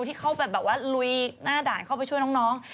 ที่เข้าไปแบบว่าลุยหน้าด่านเข้าไปช่วยน้อง